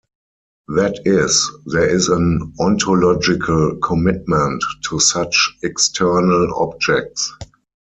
That is, there is an "ontological commitment" to such external objects.